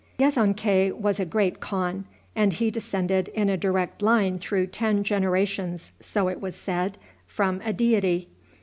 ] Yezonkai was a great khan, and he descended in a direct line through ten generations, so it was said, from a deity.